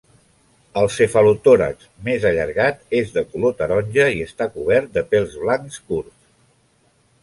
El cefalotòrax, més allargat, és de color taronja i està cobert de pèls blancs curts.